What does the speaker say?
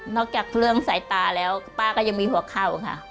จากเรื่องสายตาแล้วป้าก็ยังมีหัวเข่าค่ะ